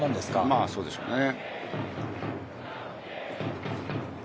まあそうでしょうね。